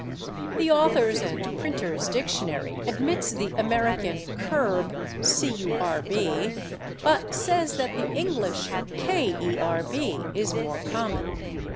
The Authors' and Printers' Dictionary admits the American /curb/, but says that the English /kerb/ is more common.